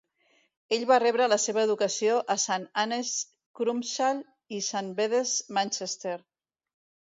Ell va rebre la seva educació a St Anne's, Crumpsall, i St Bede's, Manchester.